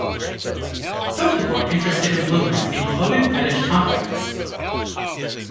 Some people are interested in bloomers in clothing fetish context.